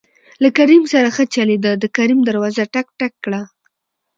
له کريم سره ښه چلېده د کريم دروازه ټک، ټک کړه.